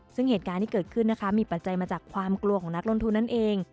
ซึ่งเหตุการณ์ที่เกิดขึ้นนะคะมีปัจจัยมาจากความกลัวของนักลงทุนนั่นเอง